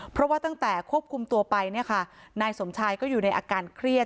เพราะว่าตั้งแต่ควบคุมตัวไปเนี่ยค่ะนายสมชายก็อยู่ในอาการเครียด